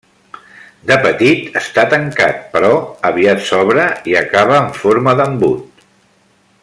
De petit està tancat, però aviat s'obre i acaba en forma d'embut.